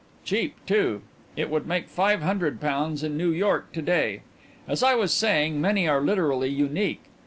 "Cheap, too; it would make five hundred pounds in New York to day. As I was saying, many are literally unique.